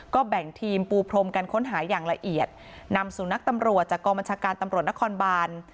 ก็แบ่งทีมปูพรมการค้นหาอย่างละเอียดนำสู่นักตำรวจจากกองบัญชาการตำรวจนครบาน